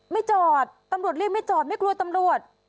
ไม่จอดตำรวจเรียกไม่จอดไม่กลัวตำรวจ